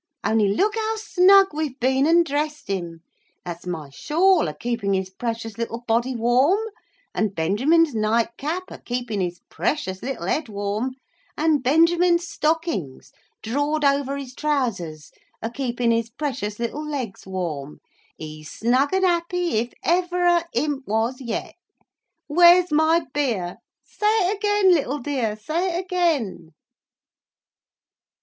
Only look how snug we've been and dressed him. That's my shawl a keepin his precious little body warm, and Benjamin's nightcap a keepin his precious little head warm, and Benjamin's stockings, drawed over his trowsers, a keepin his precious little legs warm. He's snug and happy if ever a imp was yet. 'Where's my beer!'—say it again, little dear, say it again!"